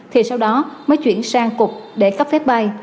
thì sau đó mới chuyển sang cục để cấp phép bay